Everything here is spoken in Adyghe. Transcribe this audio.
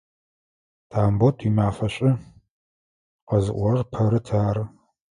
Тамбот, уимафэ шӏу, къэзыӏорэр Пэрыт ары!